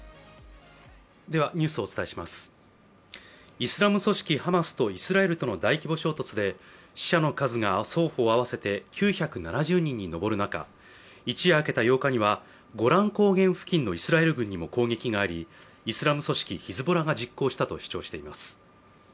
イスラム組織ハマスとイスラエルとの大規模衝突で死者の数が双方合わせて９７０人に上る中、一夜明けた８日には、ゴラン高原付近のイスラエル軍にも攻撃がありイスラム組織・ヒズボラが実行したと主張しています。